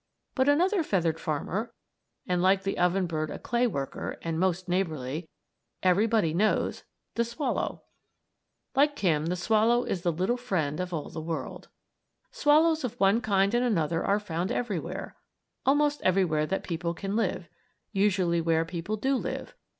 But another feathered farmer and, like the oven bird, a clay worker and most neighborly everybody knows; the swallow. Like Kim, the swallow is the little friend of all the world. Swallows of one kind and another are found everywhere almost everywhere that people can live; usually where people do live.